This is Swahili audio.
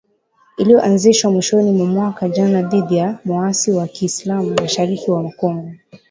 iliyoanzishwa mwishoni mwa mwaka jana dhidi ya waasi wa kiislamu mashariki mwa Kongo